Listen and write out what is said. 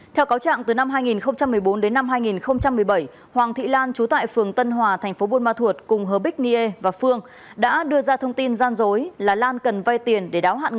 theo cáo trạng từ năm hai nghìn một mươi bốn đến năm hai nghìn một mươi bảy hoàng thị lan chú tại phường tân hòa thành phố buôn ma thuột cùng h bích niê và phương đã đưa ra thông tin gian dối là lan cần vay tiền để đáo hạn ngân hàng